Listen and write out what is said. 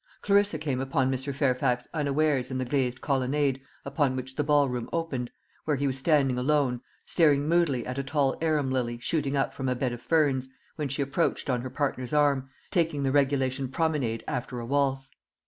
Clarissa came upon Mr. Fairfax unawares in the glazed colonnade upon which the ball room opened, where he was standing alone, staring moodily at a tall arum lily shooting up from a bed of ferns, when she approached on her partner's arm, taking the regulation promenade after a waltz.